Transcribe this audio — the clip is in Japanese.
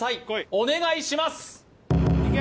お願いします！